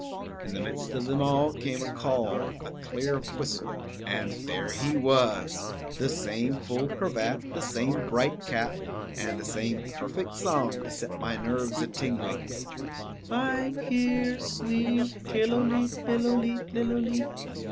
In the midst of them came a call, a clear whistle, and there he was, the same full cravat, the same bright cap, and the same perfect song to set my nerves a tingling: _I'm here, sweet Killooleet lillooleet lillooleet!